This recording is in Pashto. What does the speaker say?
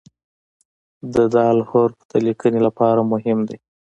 د "د" حرف د لیکنې لپاره مهم دی.